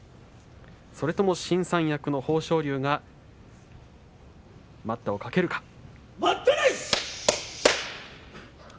それとも新三役の豊昇龍が待ったをかけるか。